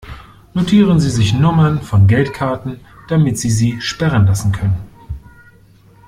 Notieren Sie sich Nummern von Geldkarten, damit sie sie sperren lassen können.